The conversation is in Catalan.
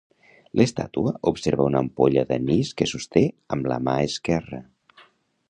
L'estàtua observa una ampolla d'anís que sosté amb la mà esquerra.